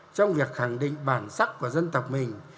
trong việc khẳng định bản sắc của dân tộc mình